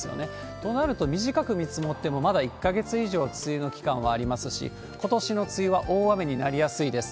となると、短く見積もってもまだ１か月以上梅雨の期間はありますし、ことしの梅雨は大雨になりやすいです。